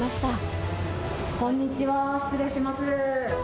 こんにちは、失礼します。